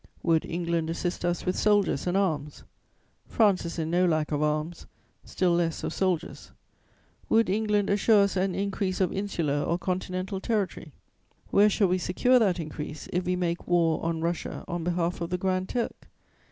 "Would England assist us with soldiers and arms? "France is in no lack of arms, still less of soldiers. "Would England assure us an increase of insular or continental territory? "Where shall we secure that increase, if we make war on Russia on behalf of the Grand Turk?